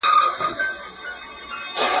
سپیره ډاګونه وه په سترګو چناران نه راځي